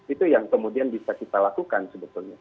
itu yang kemudian bisa kita lakukan sebetulnya